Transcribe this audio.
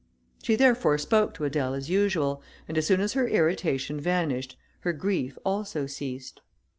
She therefore spoke to Adèle as usual, and as soon as her irritation vanished, her grief also ceased.